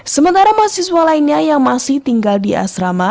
sementara mahasiswa lainnya yang masih tinggal di asrama